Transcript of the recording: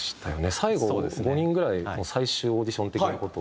最後５人ぐらい最終オーディション的な事を。